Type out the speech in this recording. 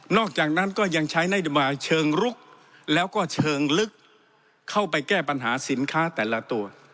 อกจากนั้นก็ยังใช้นโยบายเชิงลุกแล้วก็เชิงลึกเข้าไปแก้ปัญหาสินค้าแต่ละตัว